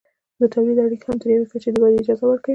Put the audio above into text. د تولید اړیکې هم تر یوې کچې د ودې اجازه ورکوي.